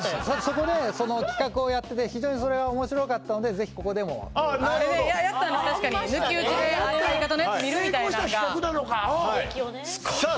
そこでその企画をやってて非常にそれが面白かったのでぜひここでもやったのは確かに抜き打ちで相方のやつ見るみたいなんが成功した企画なのかおおさあ